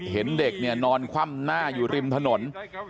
เห็นเด็กเนี่ยนอนคว่ำหน้าอยู่ริมถนน